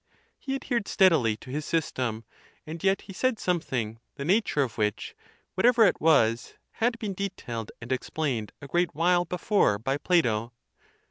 He adhered steadily to his system, and yet he said something, the nature of which, whatever it was, had been detailed and explained a great while before by Plato.